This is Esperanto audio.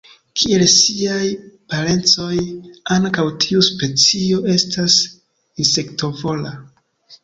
Kiel siaj parencoj, ankaŭ tiu specio estas insektovora.